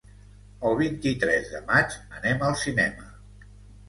El vint-i-tres de maig anem al cinema.